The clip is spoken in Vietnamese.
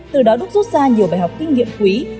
từ đó đúc rút ra nhiều bài học kinh nghiệm quý